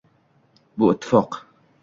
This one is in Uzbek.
Bu ittifoq